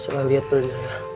salah lihat pak